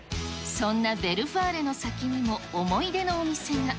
そんなヴェルファーレの先にも思い出のお店が。